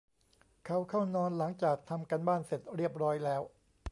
เขาเข้านอนหลังจากทำการบ้านเสร็จเรียบร้อยแล้ว